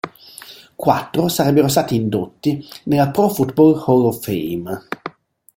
Quattro sarebbero stati indotti nella Pro Football Hall of Fame.